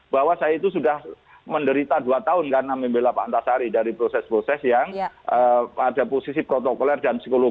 maki menilai ada pelanggaran kode etik